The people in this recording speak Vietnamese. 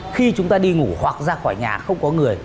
khi chúng ta đi ngủ hoặc ra khỏi nhà không có người